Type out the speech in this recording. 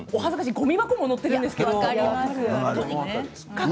ごみ箱も載っているんです。